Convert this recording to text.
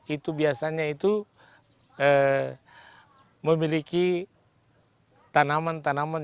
itu biasanya itu memiliki tanaman tanaman